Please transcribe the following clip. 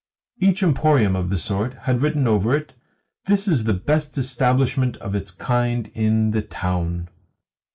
Each emporium of the sort had written over it: "This is the best establishment of its kind in the town."